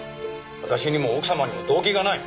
私にも奥様にも動機がない。